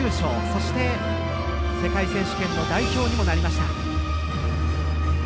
そして、世界選手権の代表にもなりました。